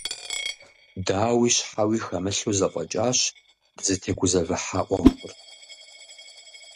Дауи щхьэуи хэмылъу зэфӀэкӀащ дызытегузэвыхьа Ӏуэхур.